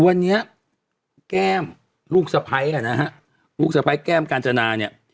วันนี้แก้มลูกสะพ้ายอ่ะนะฮะลูกสะพ้ายแก้มกาญจนาเนี่ย